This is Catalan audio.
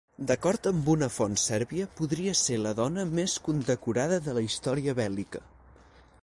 D'acord amb una font sèrbia, podria ser la dona més condecorada de la història bèl·lica.